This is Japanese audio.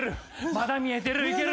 まだ見えてるいける。